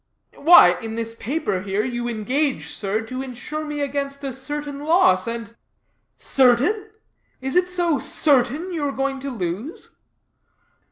"Why, in this paper here, you engage, sir, to insure me against a certain loss, and " "Certain? Is it so certain you are going to lose?"